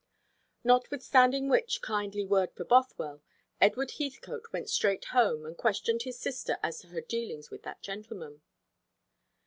Notwithstanding which kindly word for Bothwell, Edward Heathcote went straight home and questioned his sister as to her dealings with that gentleman.